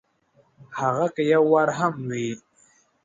هغه که یو وار هم وي !